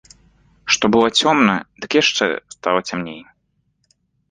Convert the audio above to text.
Што было цёмна, дык яшчэ стала цямней.